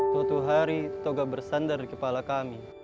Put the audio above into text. suatu hari toga bersandar di kepala kami